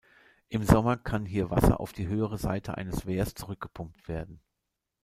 Im Sommer kann hier Wasser auf die höhere Seite eines Wehrs zurückgepumpt werden.